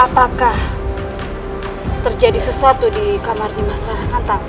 apakah terjadi sesuatu di kamar mas rara santang